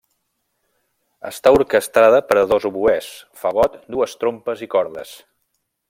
Està orquestrada per a dos oboès, fagot, dues trompes i cordes.